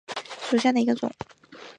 藜芦为百合科藜芦属下的一个种。